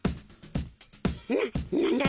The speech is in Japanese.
ななんだ？